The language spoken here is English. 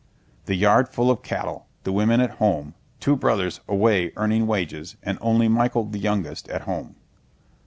The yard full of cattle, the women at home, two brothers away earning wages, and only Michael the youngest, at home.